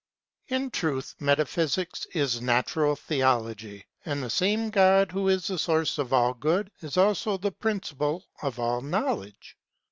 ] IN truth metaphysics is natural theology, and the same God who is the source of all good is also the principle of all knowledge.